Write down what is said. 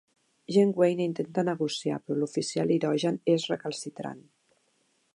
Janeway intenta negociar però l'oficial hirògen és recalcitrant.